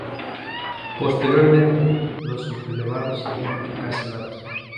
Posteriormente, los sublevados, serían encarcelados.